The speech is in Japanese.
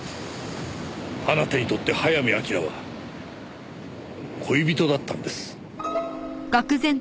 あなたにとって早見明は恋人だったんです。